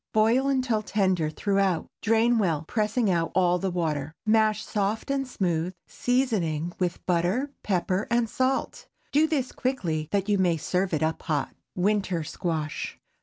Boil until tender throughout. Drain well, pressing out all the water; mash soft and smooth, seasoning with butter, pepper, and salt. Do this quickly, that you may serve up hot. WINTER SQUASH.